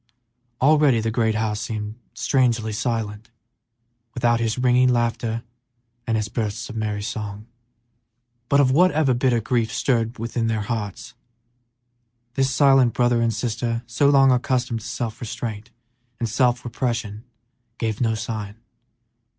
Already the great house seemed strangely silent without his ringing laughter, his bursts of merry song. But of whatever bitter grief stirred their hearts, this silent brother and sister, so long accustomed to self restraint and self repression, gave no sign.